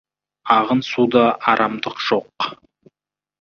Ағын суда арамдық жоқ.